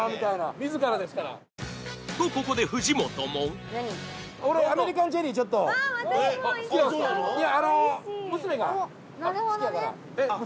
自らですから。とここで藤本も好きやから。